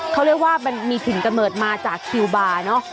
เขาเรียกว่ามีถึงกระเมิดมาจากคิวบาร์เนอะ